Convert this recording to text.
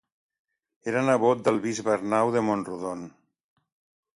Era nebot del bisbe Arnau de Mont-rodon.